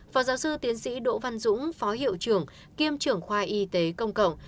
phó giáo sư tiến sĩ đỗ văn dũng phó hiệu trưởng kiêm trưởng khoa y tế công cộng